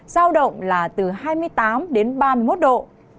giao động là từ hai mươi tám đến ba mươi một độ